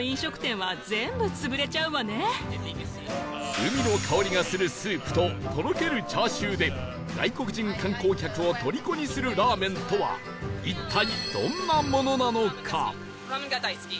海の香りがするスープととろけるチャーシューで外国人観光客をとりこにするラーメンとは一体どんなものなのか？